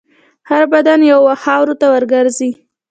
هر بدن یو وخت خاورو ته ورګرځي.